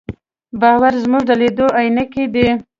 باور زموږ د لید عینکې دي.